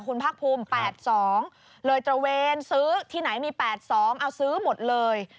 คุณพักภูมิ๘๒เลยเจรเวรซื้อที่ไหนมี๘๒ซื้อหมดเลย